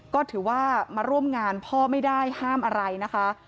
ก็ถือว่ามาร่วมงานพ่อไม่ได้ห้ามอะไรนะคะ